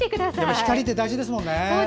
光って大事ですもんね。